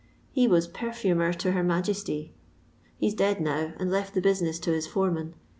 He was perfumer to her Majesty : he 's dead now, and left the busineu to his foreman.